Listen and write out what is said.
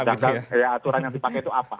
sedangkan aturan yang dipakai itu apa